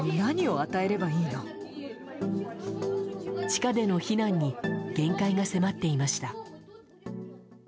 地下での避難に限界が迫っていました。